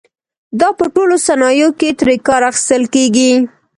دا په ټولو صنایعو کې ترې کار اخیستل کېږي.